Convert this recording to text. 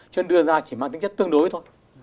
cho nên đưa ra chỉ mang tính chất tương đối thôi